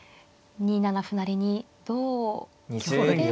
２七歩成に同玉で。